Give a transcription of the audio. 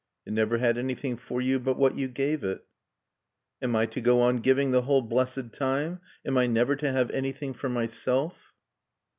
"It never had anything for you but what you gave it." "Am I to go on giving the whole blessed time? Am I never to have anything for myself?"